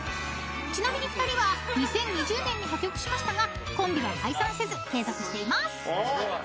［ちなみに２人は２０２０年に破局しましたがコンビは解散せず継続しています］